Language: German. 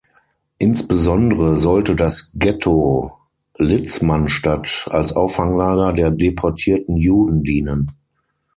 Insbesondere sollte das Ghetto Litzmannstadt als Auffanglager der deportierten Juden dienen.